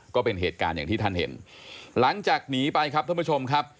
ก็เป็นเหตุการณ์อย่างที่ท่านเห็นหลังจากหนีไปครับท่านผู้ชมครับ